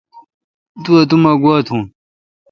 تو اتوما گوا تھون۔